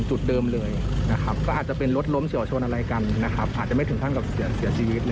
อื้อฮือ